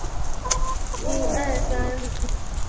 维登大街的一部分。